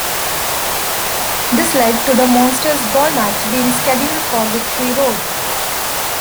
This led to the Monster's Ball match being scheduled for Victory Road.